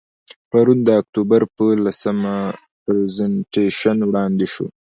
پرون د اکتوبر په لسمه، پرزنټیشن وړاندې شو.